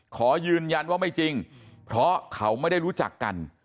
ขอยืนยันว่าไม่จริงเพราะเขาไม่ได้รู้จักกัน